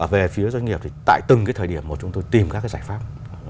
về phía doanh nghiệp thì tại từng cái thời điểm mà chúng tôi tìm các cái giải pháp